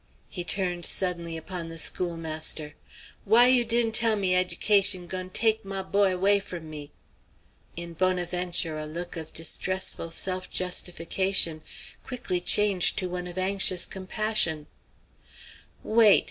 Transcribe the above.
He turned suddenly upon the schoolmaster. "Why you di'n' tell me ed'cation goin' teck my boy 'way from me?" In Bonaventure a look of distressful self justification quickly changed to one of anxious compassion. "Wait!"